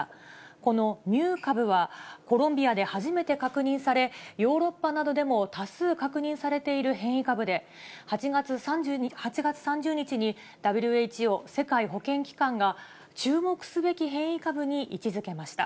このミュー株は、コロンビアで初めて確認され、ヨーロッパなどでも多数確認されている変異株で、８月３０日にＷＨＯ・世界保健機関が、注目すべき変異株に位置づけました。